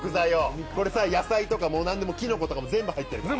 これさ野菜とか何でもキノコとかも全部入ってるから。